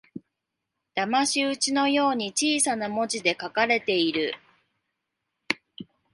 だまし討ちのように小さな文字で書かれている